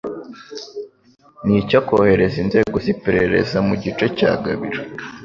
ni icyo kohereza inzego z'iperereza mu gice cya Gabiro,